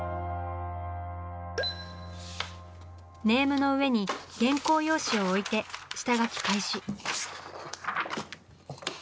ネームの上に原稿用紙を置いて下描き開始。